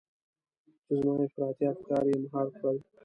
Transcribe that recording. چې زما افراطي افکار يې مهار کړل.